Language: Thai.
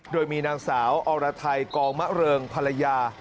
โดยมีนางสาวอรไทยกองมะเริงภรรยา